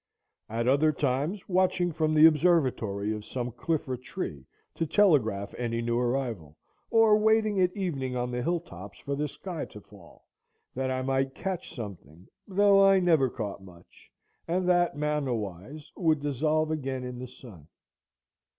At other times watching from the observatory of some cliff or tree, to telegraph any new arrival; or waiting at evening on the hill tops for the sky to fall, that I might catch something, though I never caught much, and that, manna wise, would dissolve again in the sun.